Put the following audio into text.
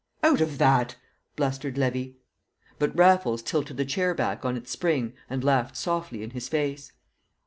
"Out of that!" blustered Levy. But Raffles tilted the chair back on its spring and laughed softly in his face.